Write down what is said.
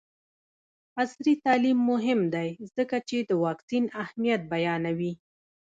عصري تعلیم مهم دی ځکه چې د واکسین اهمیت بیانوي.